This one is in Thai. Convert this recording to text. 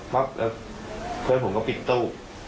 ปั๊บแล้วเพื่อนผมก็ปิดตู้